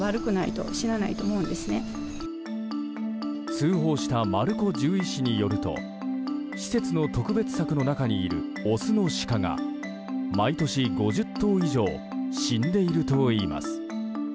通報した丸子獣医師によると施設の特別柵の中にいるオスのシカが毎年５０頭以上死んでいるといいます。